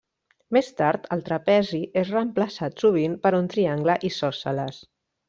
Més tard, el trapezi és reemplaçat sovint per un triangle isòsceles.